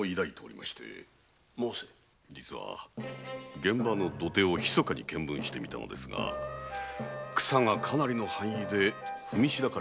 現場の土手をひそかに検分してみたのですが草がかなりの範囲で踏みしだかれておりました。